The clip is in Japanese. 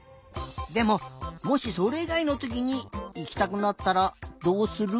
でももしそれいがいのときにいきたくなったらどうする？